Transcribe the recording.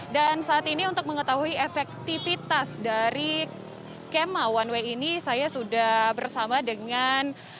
dan saat ini untuk mengetahui efektivitas dari skema one way ini saya sudah bersama dengan